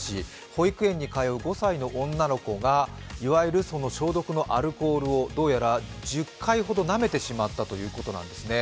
保育園に通う５歳の女の子がいわゆる消毒のアルコールをどうやら１０回ほどなめてしまったということなんですね。